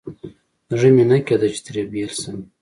زړه مې نه کېده چې ترې بېل شم.